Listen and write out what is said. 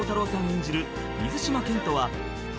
演じる水島健人は東大卒］